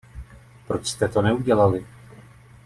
Proč jste to neudělali?